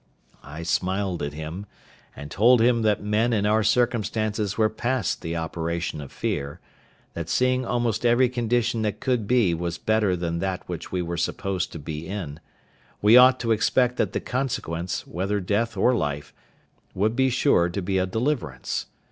I smiled at him, and told him that men in our circumstances were past the operation of fear; that seeing almost every condition that could be was better than that which we were supposed to be in, we ought to expect that the consequence, whether death or life, would be sure to be a deliverance.